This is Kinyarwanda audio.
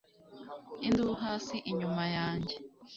induru hasi inyuma yanjye